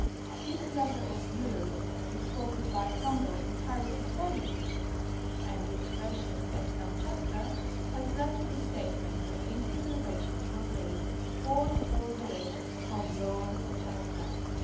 This letter of Euler's is copied by Campbell in Harris' Voyages (vol. II, Book III, p. 1024) and the expression 'at Kamchatka" has led to the statement that these observations were made at the fort or village of Lower Kamchatka.